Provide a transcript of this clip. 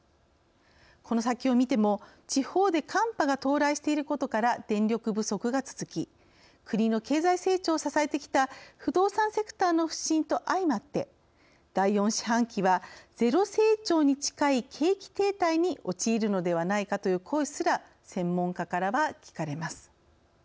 この先を見ても地方で寒波が到来していることから電力不足が続き国の経済成長を支えてきた不動産セクターの不振と相まって「第４四半期はゼロ成長に近い景気停滞に陥るのではないか」という声すら専門家からは聞かれます。